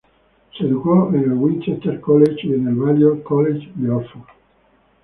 Se educó en el Winchester College y en el Balliol College de Oxford.